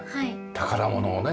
宝物をね。